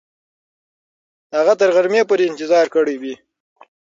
هغه به تر غرمې پورې انتظار کړی وي.